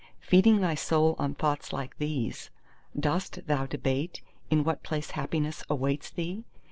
Feeding thy soul on thoughts like these, dost thou debate in what place happiness awaits thee?